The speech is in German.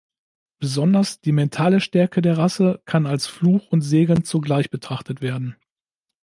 Besonders die mentale Stärke der Rasse kann als Fluch und Segen zugleich betrachtet werden.